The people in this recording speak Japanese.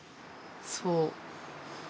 そう。